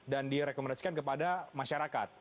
dan direkomendasikan kepada masyarakat